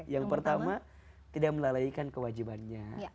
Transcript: yang pertama tidak melalaikan kewajibannya